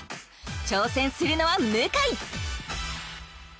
挑戦するのは向井！